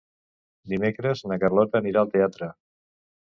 Dimecres na Carlota anirà al teatre.